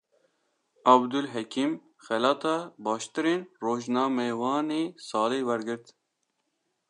Abdulhekîm, xelata baştirîn rojnamevanê salê wergirt